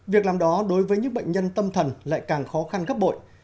việc làm đó đối với những bệnh nhân tâm thần lại càng khó khăn gấp bội